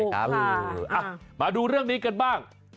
ถูกค่ะมาดูเรื่องนี้กันบ้าง